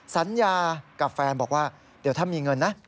สัญญากับแฟนบอกว่าเดี๋ยวถ้ามีเงินนะ